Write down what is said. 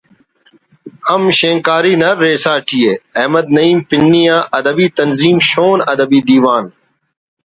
ہم شینکاری نا ریسہ ٹی ءِ احمد نعیم پنی آ ادبی تنظیم شون ادبی دیوان